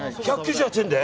１９８円で？